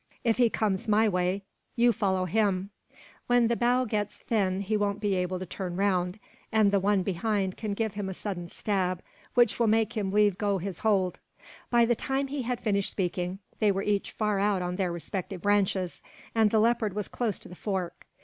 If he comes my way, you follow him. When the bough gets thin he won't be able to turn round, and the one behind can give him a sudden stab, which will make him leave go his hold." By the time he had finished speaking, they were each far out on their respective branches, and the leopard was close to the fork.